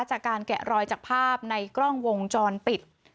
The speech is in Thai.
แกะรอยจากภาพในกล้องวงจรปิด